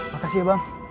makasih ya bang